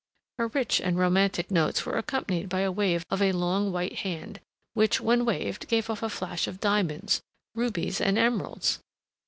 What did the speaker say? Her rich and romantic notes were accompanied by a wave of a long white hand, which, when waved, gave off a flash of diamonds, rubies, and emeralds.